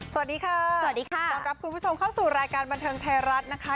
สวัสดีค่ะสวัสดีค่ะต้อนรับคุณผู้ชมเข้าสู่รายการบันเทิงไทยรัฐนะคะ